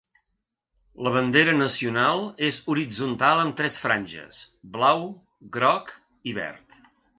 La bandera nacional és horitzontal amb tres franges, blau, groc i verd.